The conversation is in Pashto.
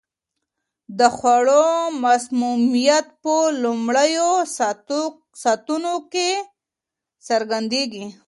د خوړو مسمومیت په لومړیو ساعتونو کې څرګندیږي.